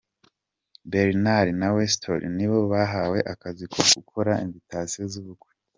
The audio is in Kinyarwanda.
Barnard na Westwood ni bo bahawe akazi ko gukora ‘Invitations’ z’ubukwe.